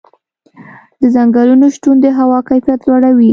د ځنګلونو شتون د هوا کیفیت لوړوي.